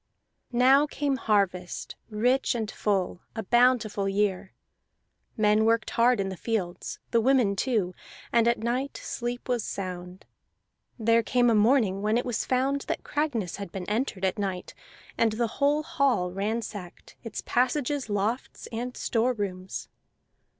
Now came harvest rich and full, a bountiful year; men worked hard in the fields, the women too, and at night sleep was sound. There came a morning when it was found that Cragness had been entered at night and the whole hall ransacked, its passages, lofts, and store rooms.